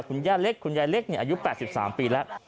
คุณย่าเล็กคุณยายเล็กอายุ๘๓ปีแล้ว